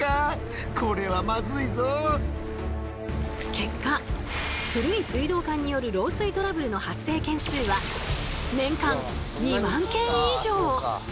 結果古い水道管による漏水トラブルの発生件数は年間２万件以上。